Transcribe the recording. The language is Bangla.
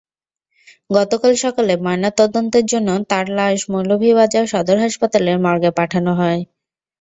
গতকাল সকালে ময়নাতদন্তের জন্য তাঁর লাশ মৌলভীবাজার সদর হাসপাতালের মর্গে পাঠানো হয়।